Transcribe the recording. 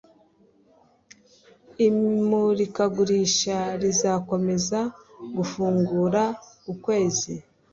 Imurikagurisha rizakomeza gufungura ukwezi.